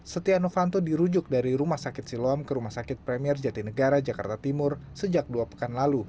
setia novanto dirujuk dari rumah sakit siloam ke rumah sakit premier jatinegara jakarta timur sejak dua pekan lalu